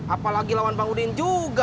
apalagi lawan bang udin juga